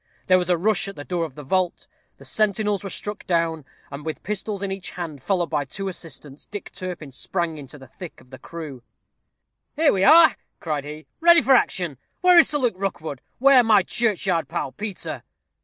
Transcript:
There was a rush at the door of the vault. The sentinels were struck down; and with pistols in each hand, and followed by two assistants, Dick Turpin sprang into the thick of the crew. "Here we are," cried he, "ready for action. Where is Sir Luke Rookwood? where my churchyard pal, Peter?"